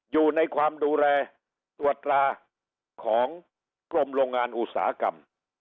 อยู่ในความดูแลตรวจตราของกรมโรงงานอุตสาหกรรม